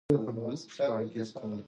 قانون د اداري کړنو بنسټ جوړوي.